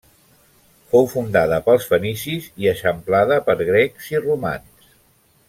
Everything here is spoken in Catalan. Fou fundada pels fenicis i eixamplada per grecs i romans.